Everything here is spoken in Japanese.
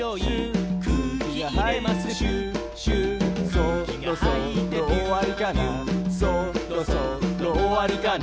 「そろそろおわりかなそろそろおわりかな」